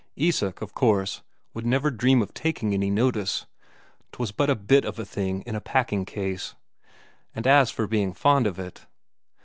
Isak, of course, would never dream of taking any notice 'twas but a bit of a thing in a packing case. And as for being fond of it